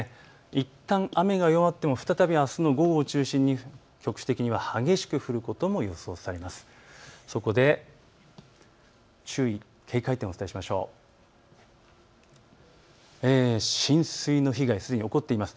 いったん雨が弱まっても再びあすの午後を中心に局地的には激しく降ることも予想されます。